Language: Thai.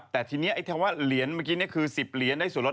แต่ทีนี้ไอ้คำว่าเหรียญเมื่อกี้นี่คือ๑๐เหรียญได้ส่วนลด